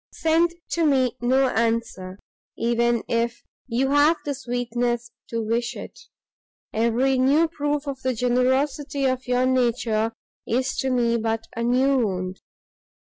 Send to me no answer, even if you have the sweetness to wish it; every new proof of the generosity of your nature is to me but a new wound.